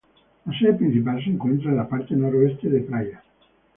La sede principal se encuentra en la parte noroeste de Praia.